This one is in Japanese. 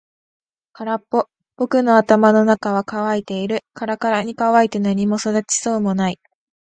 空っぽ。僕の頭の中は乾いている。からからに乾いて何も育ちそうもない。